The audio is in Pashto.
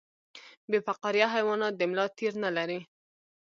بې فقاریه حیوانات د ملا تیر نلري